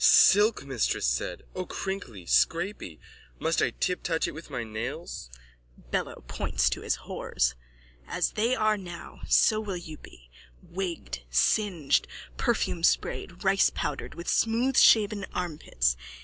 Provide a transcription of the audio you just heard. _ Silk, mistress said! O crinkly! scrapy! Must I tiptouch it with my nails? BELLO: (Points to his whores.) As they are now so will you be, wigged, singed, perfumesprayed, ricepowdered, with smoothshaven armpits.